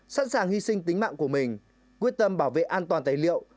sẵn sàng hy sinh tính mạng của mình quyết tâm bảo vệ an toàn tài liệu